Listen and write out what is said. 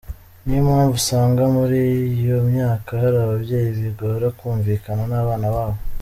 Niyo mpamvu usanga muri iyo myaka hari ababyeyi bigora kumvikana n’abana babo.